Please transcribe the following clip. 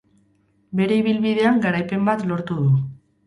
Bere ibilbidean garaipen bat lortu du.